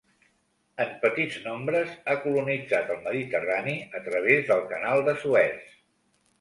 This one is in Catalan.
En petits nombres ha colonitzat el Mediterrani a través del canal de Suez.